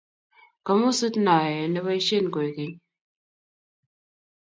kamusit noe neoboisien kwekeny